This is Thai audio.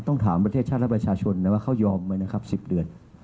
ถามประเทศชาติและประชาชนนะว่าเขายอมไหมนะครับ๑๐เดือน